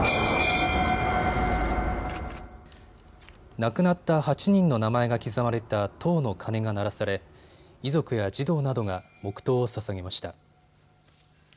亡くなった８人の名前が刻まれた塔の鐘が鳴らされ遺族や児童などが黙とうをささげました。